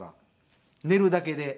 寝るだけで。